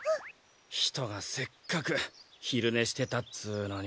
ひとがせっかくひるねしてたっつうのに。